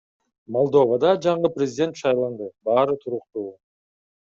Молдовада жаңы президент шайланды, баары туруктуу.